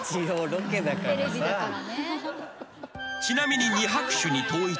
［ちなみに］